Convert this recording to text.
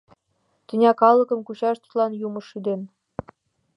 Тӱня калыкым кучаш тудлан юмо шӱден.